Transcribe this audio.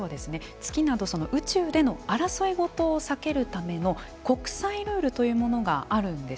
月など宇宙での争い事を避けるための国際ルールというものがあるんです。